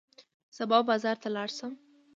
سبا به بازار ته لاړ شم.